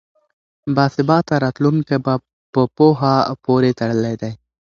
باثباته راتلونکی په پوهه پورې تړلی دی.